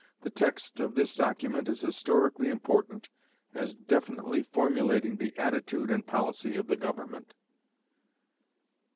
The text of this document is historically important, as definitely formulating the attitude and policy of the Government.